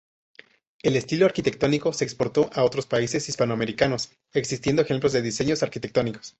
El estilo arquitectónico se exportó a otros países hispanoamericanos, existiendo ejemplos de diseños arquitectónicos.